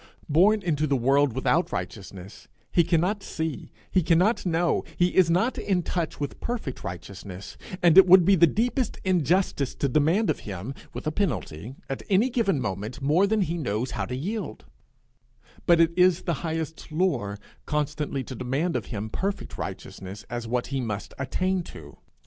Born into the world without righteousness, he cannot see, he cannot know, he is not in touch with perfect righteousness, and it would be the deepest injustice to demand of him, with a penalty, at any given moment, more than he knows how to yield; but it is the highest lore constantly to demand of him perfect righteousness as what he must attain to.